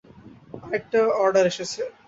আরেকটা অর্ডার এসেছে!